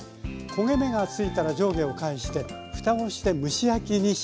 焦げ目がついたら上下を返してふたをして蒸し焼きにします。